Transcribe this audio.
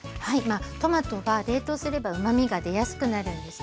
トマトは冷凍すればうまみが出やすくなるんですね。